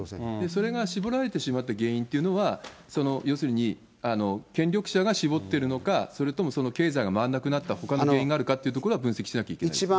それが絞られてしまった原因っていうのは、要するに、権力者が絞ってるのか、それともその経済が回らなくなったほかの原因があるかっていうところは分析しなきゃいけないでいですね。